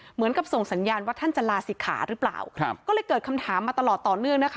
เหมือนกับส่งสัญญาณว่าท่านจะลาศิกขาหรือเปล่าครับก็เลยเกิดคำถามมาตลอดต่อเนื่องนะคะ